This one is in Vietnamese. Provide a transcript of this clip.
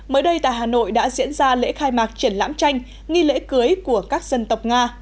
mới đây tại hà nội đã diễn ra lễ khai mạc triển lãm tranh nghi lễ cưới của các dân tộc nga